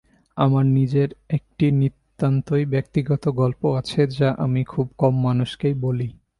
আমার নিজের একটি নিতান্তই ব্যক্তিগত গল্প আছে যা আমি খুব কম মানুষকেই বলেছি।